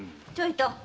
ちょいと！